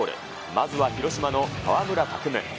まずは広島の川村拓夢。